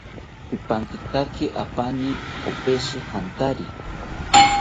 Pipankitaki apaani opeshi jantari